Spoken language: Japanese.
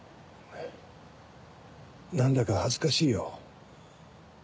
何だか恥ずかしいよ。